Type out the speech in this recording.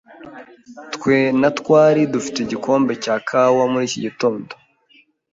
Twe na twari dufite igikombe cya kawa muri iki gitondo.